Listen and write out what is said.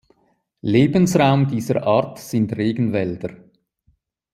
Lebensraum dieser Art sind Regenwälder.